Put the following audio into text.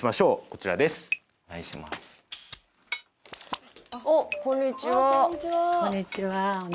こんにちは。